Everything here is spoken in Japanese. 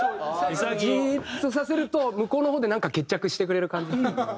じーっとさせると向こうの方でなんか決着してくれる感じ。